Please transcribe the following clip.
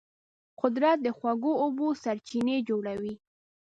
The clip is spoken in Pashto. قدرت د خوږو اوبو سرچینې جوړوي.